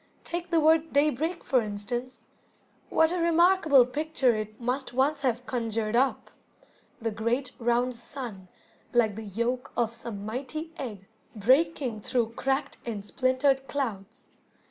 Take the word "daybreak", for instance. What a remarkable picture it must once have conjured up! The great, round sun, like the yolk of some mighty egg, BREAKING through cracked and splintered clouds.